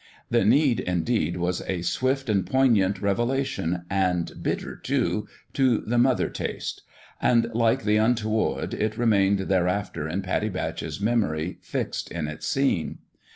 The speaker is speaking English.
The need, indeed, was a swift and poignant revelation, and bitter, too, to the mother taste ; and like the untoward it remained thereafter in Pattie Batch's memory fixed in its scene.